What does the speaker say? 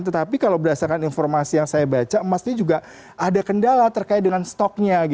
tetapi kalau berdasarkan informasi yang saya baca emas ini juga ada kendala terkait dengan stoknya